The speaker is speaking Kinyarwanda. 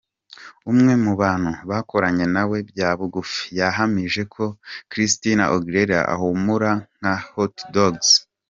Umwe mu bantu bakoranye nawe bya bugufi yahamije ko Christina Aguilera ahumura nka hotdogs.